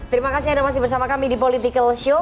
terima kasih sudah bersama kami di politikal show